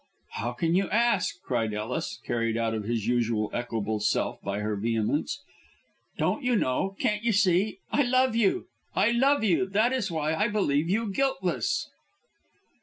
"How can you ask?" cried Ellis, carried out of his usual equable self by her vehemence. "Don't you know can't you see I love you! I love you! that is why I believe you guiltless."